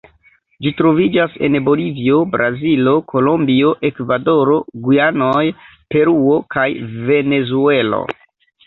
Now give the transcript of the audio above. Ĝi troviĝas en Bolivio, Brazilo, Kolombio, Ekvadoro, Gujanoj, Peruo, kaj Venezuelo.